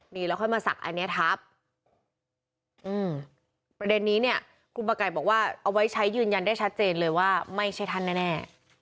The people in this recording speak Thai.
นี่แล้วค่อยมาสักอันนี้ทับประเด็นนี้เนี่ยคุณประกายบอกว่าเอาไว้ใช้ยืนยันได้ชัดเจนเลยว่าไม่ใช่ท่านแน่